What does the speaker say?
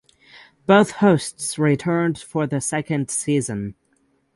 Both hosts returned for the second season.